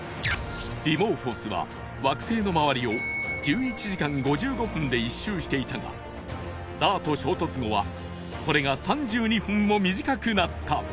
ディモーフォスは惑星の周りを１１時間５５分で１周していたがＤＡＲＴ衝突後はこれが３２分も短くなった